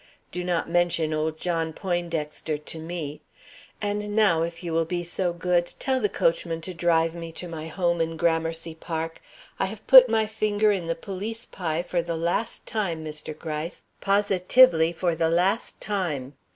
Do not mention old John Poindexter to me. And now, if you will be so good, tell the coachman to drive me to my home in Gramercy Park. I have put my finger in the police pie for the last time, Mr. Gryce positively for the last time."